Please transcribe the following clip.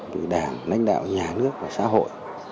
từ đảng lãnh đạo nhà nước và xã hội